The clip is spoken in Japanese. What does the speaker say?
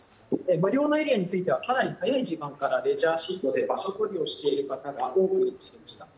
無料エリアについてはかなり早い時間からレジャーシートで場所取りをしている方が多くいらっしゃいました。